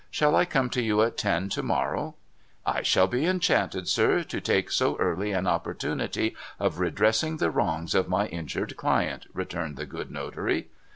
* Shall I come to you at ten to morrow ?'' I shall be enchanted, sir, to take so early an opportunity of redressing the wrongs of my injured client,' returned the good notary.